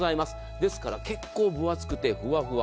ですから、結構分厚くてフワフワ。